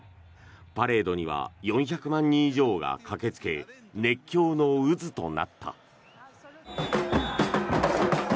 パレードには４００万人以上が駆けつけ熱狂の渦となった。